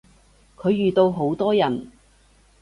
佢遇到好多人